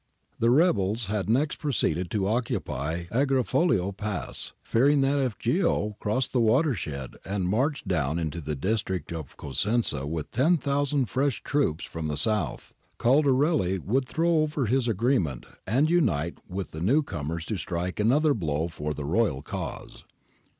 The rebels had next proceeded to occupy Agrifoglio pass, fearing that if Ghio crossed the water shed and marched down into the district of Cosenza with 10,000 fresh troops from the south, Caldarelh would throw over his agree ment and unite with the new comers to strike another blow for the royal cause.